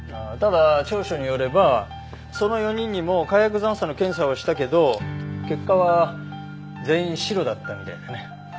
ただ調書によればその４人にも火薬残渣の検査はしたけど結果は全員シロだったみたいだね。